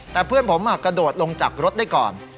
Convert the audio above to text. แต่เพื่อนผมกระโดดลงจากรถได้ก่อน